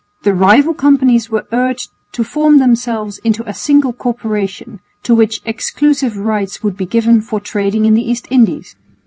The rival companies were urged to form themselves into a single corporation to which exclusive rights would be given for trading in the East Indies.